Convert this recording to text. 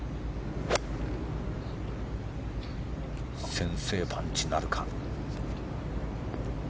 先制パンチなるか。